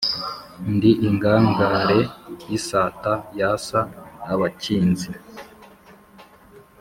Ndi ingangare y’isata yasa abakinzi,